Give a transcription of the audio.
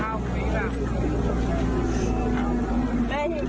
เป็นพันปีละลูกเอิญ